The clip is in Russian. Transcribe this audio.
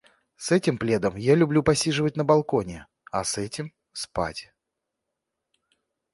С этим пледом я люблю посиживать на балконе, а с этим — спать.